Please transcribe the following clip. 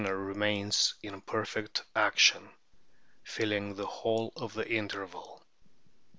RIGHT WHALES 133 remains in perfect action, filling the whole of the interval.